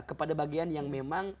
kepada bagian yang memang